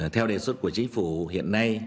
theo đề xuất của chính phủ hiện nay